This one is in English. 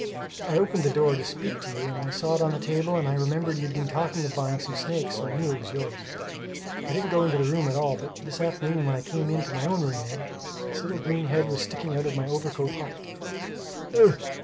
I opened the door to speak to you and I saw it on the table and I remembered you'd been talking of buying some snakes, so I knew it was yours. I didn't go into the room at all, but this afternoon when I came into my own room, Ned, its little green head was sticking out of my overcoat pocket ugh!